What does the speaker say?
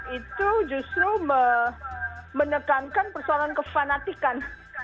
itu justru menekankan persoalan kefanatikan